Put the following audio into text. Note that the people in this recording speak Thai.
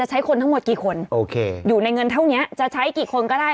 ใช้คนทั้งหมดกี่คนโอเคอยู่ในเงินเท่านี้จะใช้กี่คนก็ได้